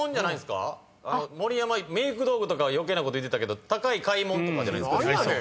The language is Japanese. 盛山メイク道具とか余計なこと言うてたけど高い買いもんとかじゃ。